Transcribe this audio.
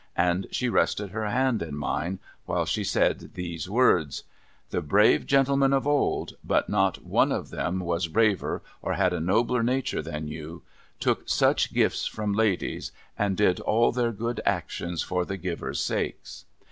And she rested her hand in mine, while she said these words :' The brave gentlemen of old — but not one of them was braver, or had a nobler nature than you — took such gifts from ladies, and did all their good actions for the givers' sakes.